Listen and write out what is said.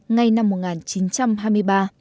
ngay năm một nghìn chín trăm hai mươi ba